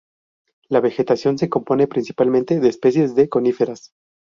La vegetación se compone principalmente de especies de coníferas.